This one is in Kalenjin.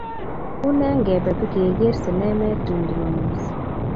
Unee ngebe bigeger sinemet tun jumamos